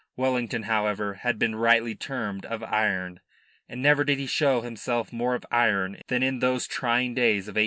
Wellington, however, has been rightly termed of iron, and never did he show himself more of iron than in those trying days of 1810.